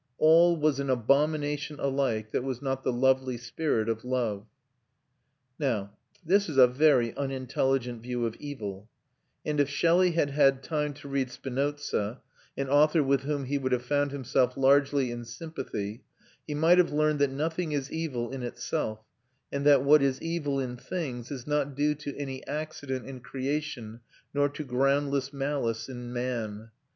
All was an abomination alike that was not the lovely spirit of love. Now this is a very unintelligent view of evil; and if Shelley had had time to read Spinoza an author with whom he would have found himself largely in sympathy he might have learned that nothing is evil in itself, and that what is evil in things is not due to any accident in creation, nor to groundless malice in man.